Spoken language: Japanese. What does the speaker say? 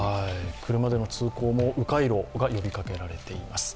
車での通行もう回路が呼びかけられています。